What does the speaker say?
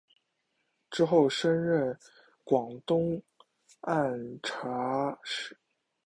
之后升任广东按察使。